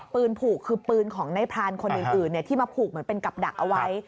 ปืนผูกคือปืนของในพรานคนอื่นที่มาผูกเหมือนเป็นกับดักเอาไว้